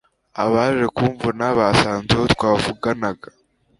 Abaje kumvuna Basanze uwo twavuganaga